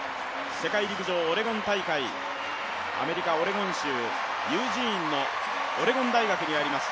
世界陸上オレゴン大会、アメリカ・オレゴン州ユージーンのオレゴン大学にあります